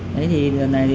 thế thì lần này